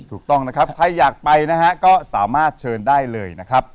ถูกต้องนะครับใครอยากไปนะฮะก็สามารถเชิญได้เลยนะครับ